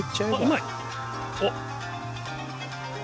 うまい。